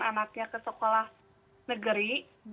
anaknya ke sekolah negeri